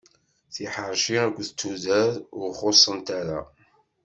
Tiḥerci aked tudert ur xuṣṣent ara.